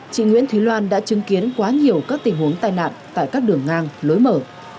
chị nguyễn thúy loan đã chứng kiến quá nhiều các tình huống tai nạn tại các đường ngang lối mở